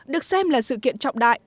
được xem là sự kiện trọng đại